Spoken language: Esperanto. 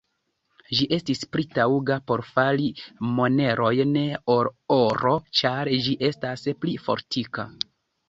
Ĝi estis pli taŭga por fari monerojn ol oro, ĉar ĝi estas pli fortika.